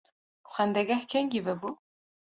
Xwendegeh kengî vebû?